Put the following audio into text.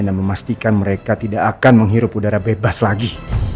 dan memastikan mereka tidak akan menghirup udara bebas lagi